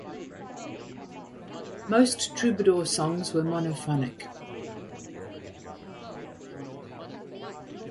Most Troubadour songs were monophonic.